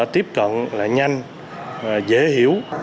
tiếp cận nhanh dễ hiểu